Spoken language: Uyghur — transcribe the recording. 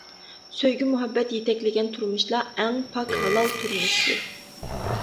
سۆيگۈ-مۇھەببەت يېتەكلىگەن تۇرمۇشلا ئەڭ پاك، ھالال تۇرمۇشتۇر.